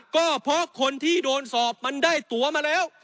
ก็เพราะคนที่โดนสอบมันได้ตัวมาแล้ว